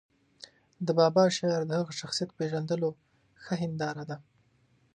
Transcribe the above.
د بابا شعر د هغه شخصیت پېژندلو ښه هنداره ده.